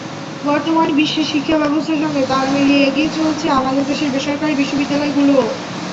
বর্তমানে বিশ্বের শিক্ষাব্যবস্থার সঙ্গে তাল মিলিয়ে এগিয়ে চলছে আমাদের দেশের বেসরকারি বিশ্ববিদ্যালয়গুলো।